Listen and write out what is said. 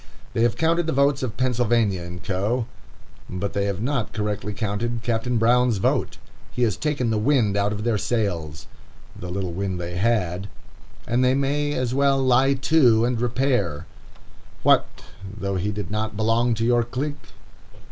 They have counted the votes of Pennsylvania & Co., but they have not correctly counted Captain Brown's vote. He has taken the wind out of their sails, the little wind they had, and they may as well lie to and repair. What though he did not belong to your clique!